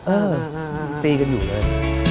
เออตีกันอยู่เลย